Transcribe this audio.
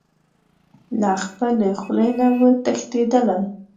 له خپلې خولې نه و تښتېدلی.